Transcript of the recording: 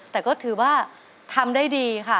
แต่ก็ถือว่าทำได้ดีค่ะ